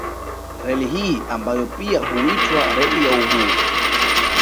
Reli hii ambayo pia huitwa Reli ya Uhuru